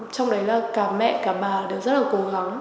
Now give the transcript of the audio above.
trong đấy là cả mẹ cả bà đều rất là cố gắng